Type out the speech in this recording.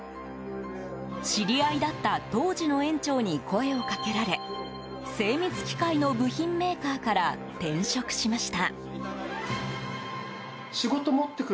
知り合いだった当時の園長に声をかけられ精密機械の部品メーカーから転職しました。